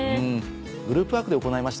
グループワークで行いました